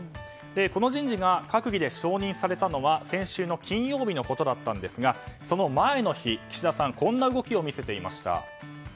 この人事が閣議で承認されたのは先週の金曜日のことでしたがその前の日、岸田さんはこんな動きを見せていました。